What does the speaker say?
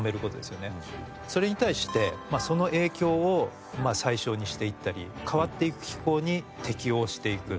それに対してその影響を最小にしていったり変わっていく気候に適応していく。